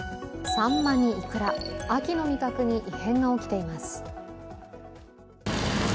さんまにいくら、秋の味覚に異変が起きています。